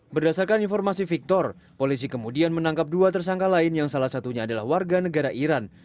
berdasarkan informasi victor polisi kemudian menangkap dua tersangka lain yang salah satunya adalah warga negara iran